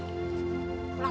atau d'a te ke petroliu